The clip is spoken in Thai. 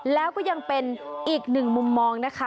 แล้วก็ยังเป็นอีก๑มุมมอง